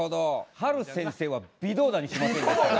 はる先生は微動だにしませんでした。